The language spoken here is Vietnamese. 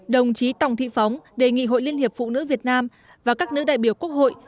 đồng chí tòng thị phóng đề nghị hội liên hiệp phụ nữ việt nam và các nữ đại biểu quốc hội